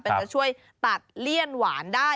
จะช่วยตัดเลี่ยนหวานได้